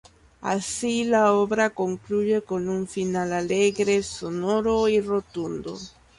Así la obra concluye con un final alegre, sonoro y rotundo.